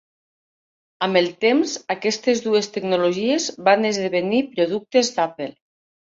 Amb el temps, aquestes dues tecnologies van esdevenir productes d'Apple.